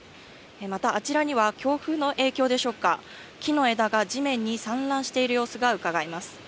またあちらには強風の影響でしょうか、木の枝が地面に散乱している様子が伺えます。